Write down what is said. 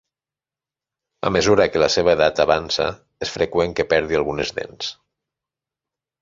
A mesura que la seva edat avança, és freqüent que perdi algunes dents.